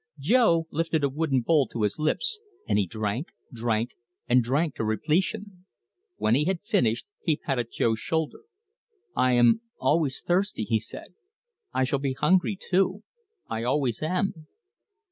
Jo lifted a wooden bowl to his lips, and he drank, drank, drank to repletion. When he had finished he patted Jo's shoulder. "I am always thirsty," he said. "I shall be hungry too. I always am."